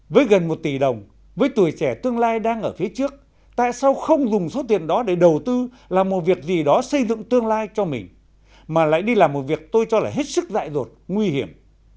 với gần một tỷ đồng với tuổi trẻ tương lai đang ở phía trước tại sao không dùng số tiền đó để đầu tư làm một việc gì đó xây dựng tương lai cho mình mà lại đi làm một việc tôi cho là hết sức dại dột nguy hiểm